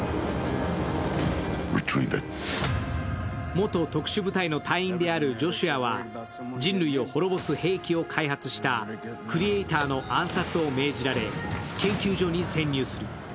元特殊部隊の隊員であるジョシュアは人類を滅ぼす兵器を開発したクリエイターの暗殺を命じられ、研究所に潜入する。